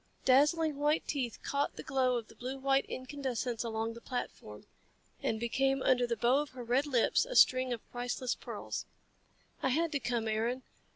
Dazzling white teeth caught the glow of the blue white incandescents along the platform, and became under the bow of her red lips a string of priceless pearls. "I had to come, Aaron.